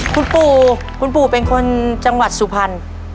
คุณปู่คุณปู่เป็นคนจังหวัดสุพรรณ